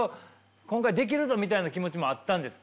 今回できるぞみたいな気持ちもあったんですか？